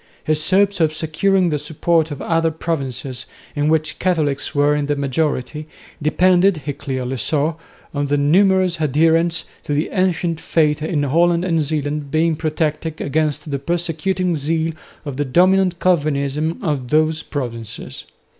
His hopes of securing the support of the other provinces, in which Catholics were in the majority, depended, he clearly saw, on the numerous adherents to the ancient faith in Holland and Zeeland being protected against the persecuting zeal of the dominant Calvinism of those provinces.